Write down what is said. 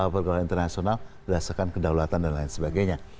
pergerakan internasional berdasarkan kedaulatan dan lain sebagainya